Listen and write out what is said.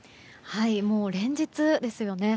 もう連日ですよね。